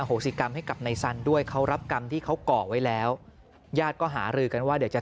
โหสิกรรมให้กับในสันด้วยเขารับกรรมที่เขาก่อไว้แล้วญาติก็หารือกันว่าเดี๋ยวจะ